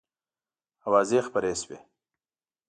آوازې خپرې شوې.